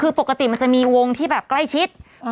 คือปกติมันจะมีวงที่แบบใกล้ชิด